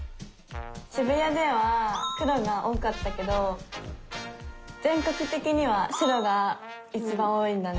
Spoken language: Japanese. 渋谷では黒が多かったけど全国てきには白がいちばん多いんだね。